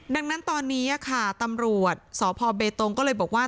ดังนั้นตอนนี้ค่ะตำรวจสพเบตงก็เลยบอกว่า